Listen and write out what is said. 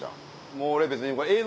もう俺別に。